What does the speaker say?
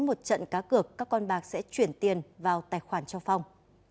một trận cá cược các con bạc sẽ chuyển tiền vào tài khoản cho phong